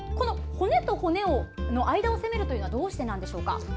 骨と骨の間を攻めるというのはどうしてなんでしょうか。